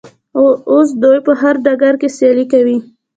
اوس دوی په هر ډګر کې سیالي کوي.